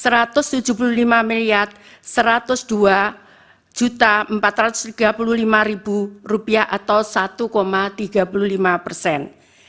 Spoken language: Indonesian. rp satu ratus tujuh puluh lima satu ratus dua empat ratus tiga puluh lima atau satu tiga puluh lima persen